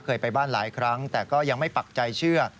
ไปบ้านหลายครั้งแต่ก็ยังไม่ปักใจเชื่อ